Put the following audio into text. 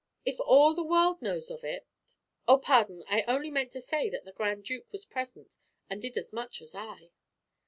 "If all the world knows of it " "Oh, pardon; I only meant to say that the Grand Duke was present and did as much as I."